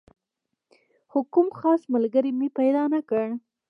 خو کوم خاص ملګری مې پیدا نه کړ.